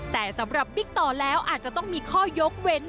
แต่สำหรับบิ๊กต่อแล้วอาจจะต้องมีข้อยกเว้น